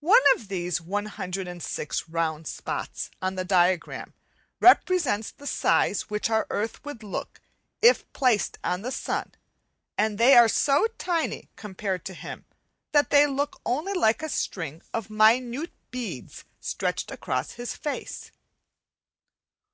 One of these 106 round spots on the diagram represents the size which our earth would look if placed on the sun; and they are so tiny compared to him that they look only like a string of minute beads stretched across his face.